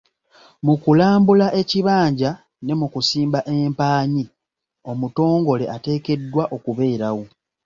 Mu kulambula ekibanja ne mu kusimba empaanyi omutongole ateekeddwa okubeerawo.